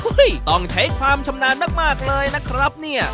ต้องใช้ความชำนาญมากเลยนะครับเนี่ย